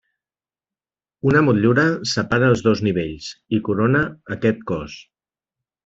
Una motllura separa els dos nivells i corona aquest cos.